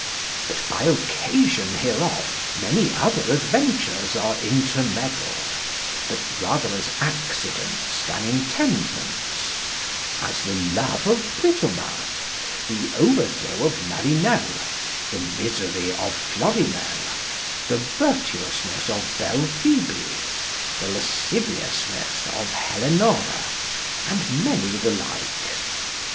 But by occasion hereof, many other adventures are intermedled, but rather as accidents then intendments: as the love of Britomart, the overthrow of Marinell, the misery of Florimell, the vertuousnes of Belphoebe, the lasciviousnes of Hellenora, and many the like.